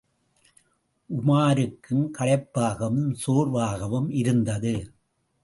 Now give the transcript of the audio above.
உமாருக்கும் களைப்பாகவும் சோர்வாகவும் இருந்தது.